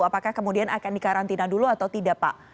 apakah kemudian akan dikarantina dulu atau tidak pak